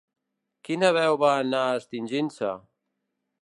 Quina veu va anar extingint-se?